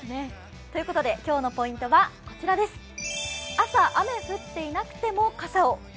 今日のポイントは、朝、雨降っていなくても傘を。